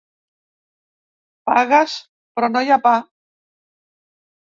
Pagues però no hi ha pa.